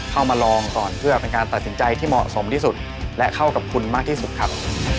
เข้ามาลองก่อนเพื่อเป็นการตัดสินใจที่เหมาะสมที่สุดและเข้ากับคุณมากที่สุดครับ